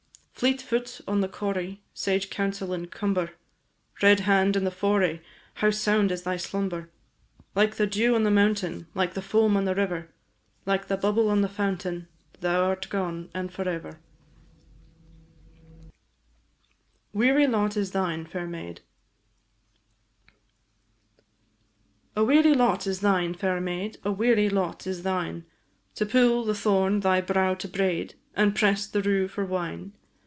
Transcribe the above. Fleet foot on the corrie, Sage counsel in cumber, Red hand in the foray, How sound is thy slumber! Like the dew on the mountain, Like the foam on the river, Like the bubble on the fountain, Thou art gone, and for ever. "The Lady of the Lake," canto third. A WEARY LOT IS THINE, FAIR MAID. "A weary lot is thine, fair maid, A weary lot is thine! To pull the thorn thy brow to braid, And press the rue for wine!